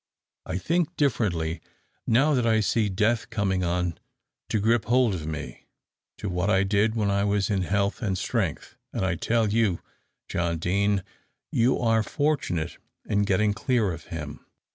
I think differently now that I see death coming on to gripe hold of me, to what I did when I was in health and strength, and I tell you, John Deane, you are fortunate in getting clear of him.